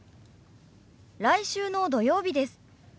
来週の土曜日です。